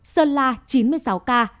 sơn la chín mươi sáu ca